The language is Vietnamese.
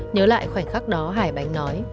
nhớ lại khoảnh khắc đó hải bánh nói